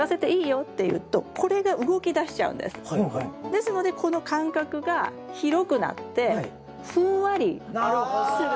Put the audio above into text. ですのでこの間隔が広くなってふんわりする。